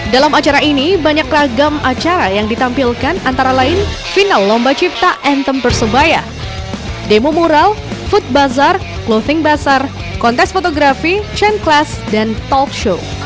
dalam acara ini banyak ragam acara yang ditampilkan antara lain final lomba cipta anthem persebaya demo mural food bazar clothing bazar kontes fotografi chan class dan talk show